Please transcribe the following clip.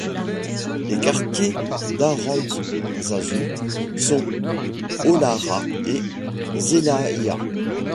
Les quartiers d'Arantzazu sont: Olarra et Zelaia.